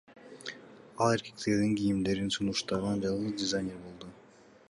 Ал эркектердин кийимдерин сунуштаган жалгыз дизайнер болду.